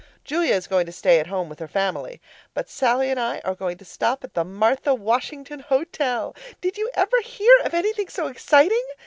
Julia is going to stay at home with her family, but Sallie and I are going to stop at the Martha Washington Hotel. Did you ever hear of anything so exciting?